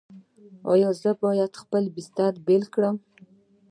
ایا زه باید خپله بستر بیله کړم؟